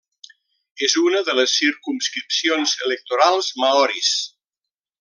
És una de les circumscripcions electorals maoris.